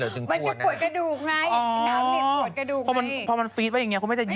ต้องพร้อมเต้นที่เกาหลี